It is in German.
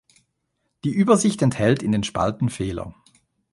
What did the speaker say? Die Übersicht enthält in den Spalten Fehler.